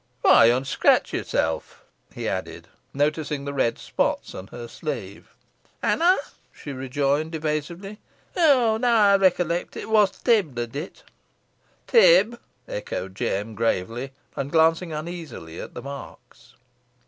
Whoy yo'n scratted yourself," he added, noticing the red spots on her sleeve. "Han ey?" she rejoined, evasively. "Oh now ey rekilect, it wos Tib did it." "Tib!" echoed Jem, gravely, and glancing uneasily at the marks.